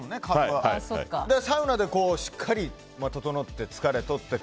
サウナでしっかり整って疲れとって。